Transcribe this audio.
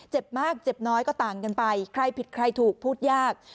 เจ็บมากเจ็บน้อยก็ต่างกันไปใครผิดใครถูกพูดยาก